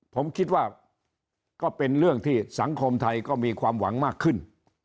ผมคิดว่าก็เป็นเรื่องที่สังคมไทยก็มีความหวังมากขึ้น